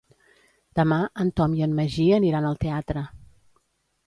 Demà en Tom i en Magí aniran al teatre.